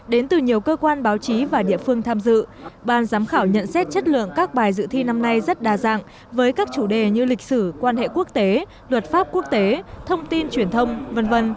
đến từ nhiều cơ quan báo chí và địa phương tham dự ban giám khảo nhận xét chất lượng các bài dự thi năm nay rất đa dạng với các chủ đề như lịch sử quan hệ quốc tế luật pháp quốc tế thông tin truyền thông v v